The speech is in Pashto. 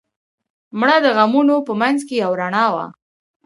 مړه د غمونو په منځ کې یو رڼا وه